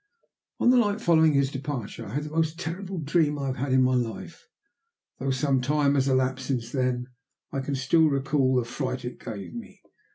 On the night following his departure, I had the most terrible dream I have had in my life. Though some time has elapsed since then, I can still recall the fright it gave me.